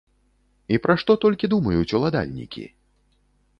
І пра што толькі думаюць уладальнікі?